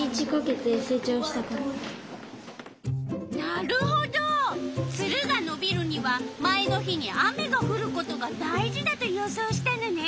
なるほどツルがのびるには前の日に雨がふることが大事だと予想したのね。